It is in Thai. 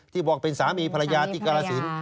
ที่บอกเป็นสามีภรรยาติการสื่น